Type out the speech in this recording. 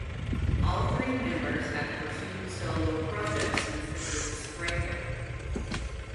All three members have pursued solo projects since the group's breakup.